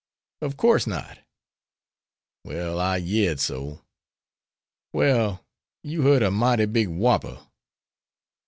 "Of course not." "Well, I yered so." "Well, you heard a mighty big whopper."